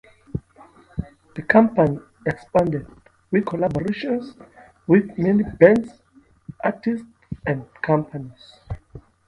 The company expanded, with collaborations with many bands, artists, and companies.